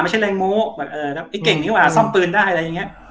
ไม่ใช่แรงโม้แบบไอ้เก่งดีกว่าซ่อมปืนได้อะไรอย่างนี้